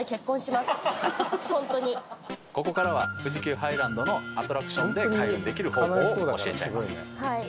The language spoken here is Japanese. ここからは富士急ハイランドのアトラクションで開運できる方法を教えちゃいます。